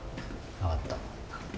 分かった。